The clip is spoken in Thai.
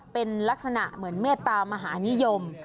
เป็นลักษณะเหมือนเมตตามหานิยม